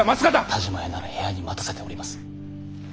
田嶋屋なら部屋に待たせております。